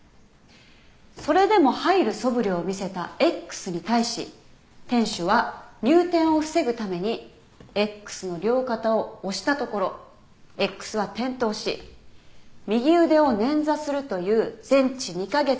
それでも入るそぶりを見せたＸに対し店主は入店を防ぐためにＸの両肩を押したところＸは転倒し右腕を捻挫するという全治２カ月のケガを負った。